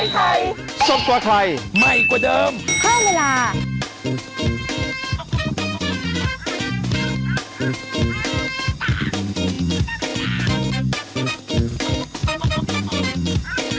โปรดติดตามตอนต่อไป